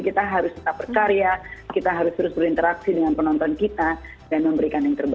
kita harus tetap berkarya kita harus terus berinteraksi dengan penonton kita dan memberikan yang terbaik